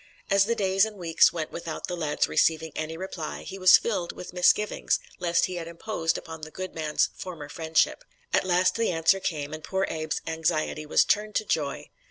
As the days and weeks went by without the lad's receiving any reply he was filled with misgivings lest he had imposed upon the good man's former friendship. At last the answer came and poor Abe's anxiety was turned to joy.